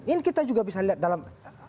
ini kita juga bisa lihat dalam